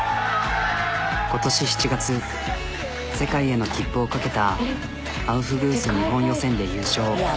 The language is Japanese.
今年７月世界への切符を懸けたアウフグース日本予選で優勝。